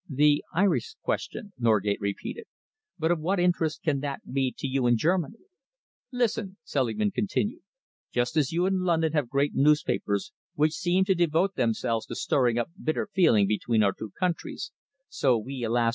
"The Irish question," Norgate repeated. "But of what interest can that be to you in Germany?" "Listen," Selingman continued. "Just as you in London have great newspapers which seem to devote themselves to stirring up bitter feeling between our two countries, so we, alas!